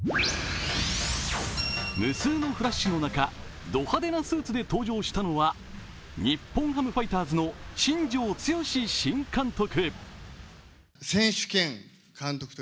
無数のフラッシュの中、ド派手なスーツで登場したのは日本ハムファイターズの新庄剛志新監督。